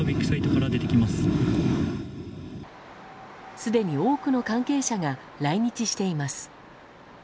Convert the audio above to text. すでに多くの関係者が来日しています。